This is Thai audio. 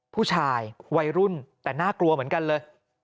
ผู้ชายวัยรุ่นแต่น่ากลัวเหมือนกันเลย